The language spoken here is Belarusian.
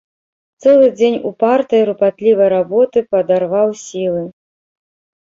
Цэлы дзень упартай, рупатлівай работы падарваў сілы.